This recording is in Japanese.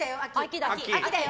秋だよ！